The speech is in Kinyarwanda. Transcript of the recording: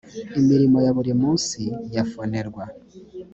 imirimo ya buri munsi ya fonerwa